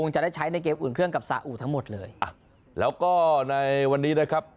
จะได้ใช้ในเกมอุ่นเครื่องกับสาอุทั้งหมดเลยอ่ะแล้วก็ในวันนี้นะครับ